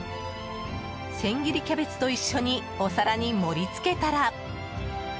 千切りキャベツと一緒にお皿に盛り付けたら。